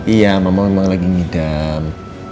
iya mama memang lagi ngidam